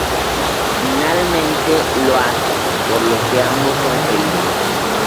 Finalmente lo hace, por lo que ambos son felices.